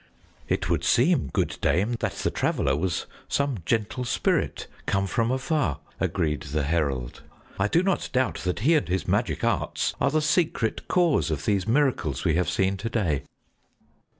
"It would seem, good dame, that the Traveler was some gentle spirit come from afar," agreed the herald. "I do not doubt that he and his magic arts are the secret cause of these miracles we have seen to day."